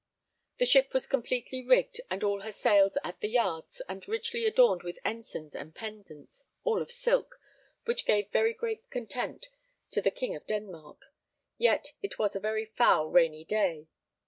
The ship was completely rigged and all her sails at the yards, and richly adorned with ensigns and pendants, all of silk, which gave very great content to the King of Denmark; yet it was a very foul rainy day.